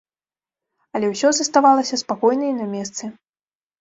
Але ўсё заставалася спакойна і на месцы.